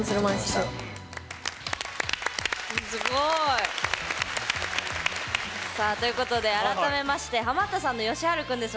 すごい。ということで改めましてハマったさんのよしはる君です。